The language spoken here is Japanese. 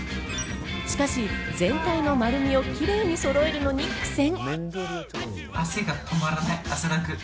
しかし、全体の丸みをきれいにそろえるのに苦戦。